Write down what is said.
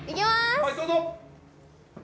はいどうぞ！